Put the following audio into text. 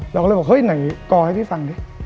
เราก็เลยบอกเฮ้ยไหนกอให้พี่ฟังดิ